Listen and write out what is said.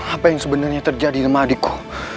apa yang sebenarnya terjadi sama adikku